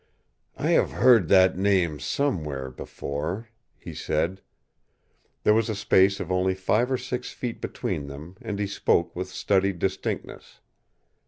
"I have heard that name somewhere before," he said. There was a space of only five or six feet between them, and he spoke with studied distinctness.